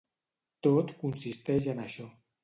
Tot consisteix en això.